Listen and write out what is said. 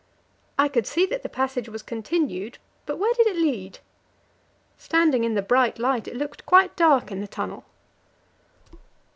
I could see that the passage was continued, but where did it lead? Standing in the bright light, it looked quite dark in the tunnel.